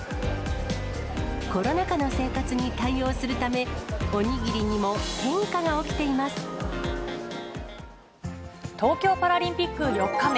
コロナ禍の生活に対応するため、東京パラリンピック４日目。